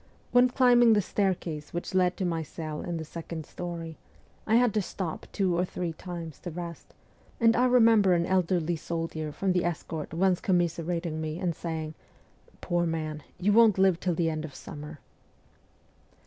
When climbing the staircase which led to my cell in the second story, I had to stop two or three times to rest, and I remember an elderly soldier THE ESCAPE 165 from the escort once commiserating me and saying, ' Poor man, you won't live till the end of the summer.'